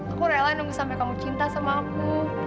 aku rela nunggu sampai kamu cinta sama aku